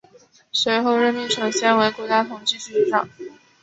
随后任命陈先为国家统计局局长。